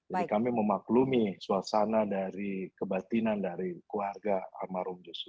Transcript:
jadi kami memaklumi suasana dari kebatinan dari keluarga almarhum yosua